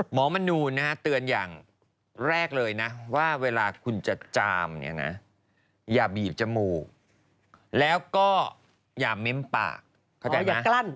หมอมนนูนะคะเตือนอย่างแรกเลยนะว่าเวลาจะจามอย่าบีบจมูกแล้วก็อย่าเม้มปาก